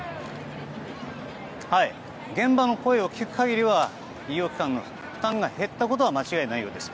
現場の声を聞く限りは医療機関の負担が減ったことは間違いないようです。